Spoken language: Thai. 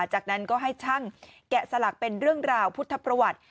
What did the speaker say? จากนั้นก็ให้ช่างแกะสลักเป็นเรื่องราวพุทธประวัติ